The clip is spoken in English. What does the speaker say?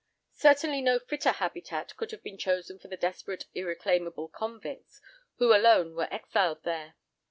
Certainly no fitter habitat could have been chosen for the desperate irreclaimable convicts, who alone were exiled there.